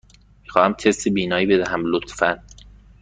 می خواهم تست بینایی بدهم، لطفاً.